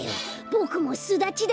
ボクもすだちだ。